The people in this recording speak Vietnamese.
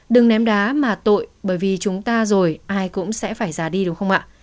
đừng ném đá mà tội bởi vì chúng ta rồi ai cũng sẽ phải già đi đúng không ạ